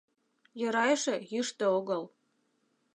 Йӧра эше, йӱштӧ огыл.